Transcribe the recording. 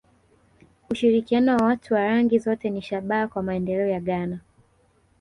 Ushirikiano wa watu wa rangi zote ni shabaha kwa maendeleo ya Ghana